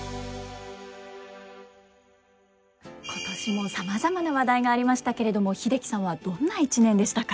今年もさまざまな話題がありましたけれども英樹さんはどんな一年でしたか？